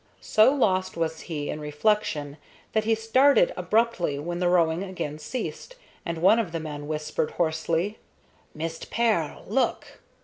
So lost was he in reflection that he started abruptly when the rowing again ceased, and one of the men whispered, hoarsely: "Mist Pearl, look!"